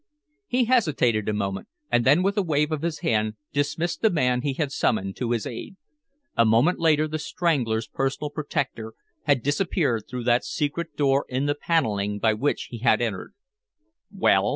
He hesitated a moment, and then with a wave of his hand dismissed the man he had summoned to his aid. A moment later the "Strangler's" personal protector had disappeared through that secret door in the paneling by which he had entered. "Well?"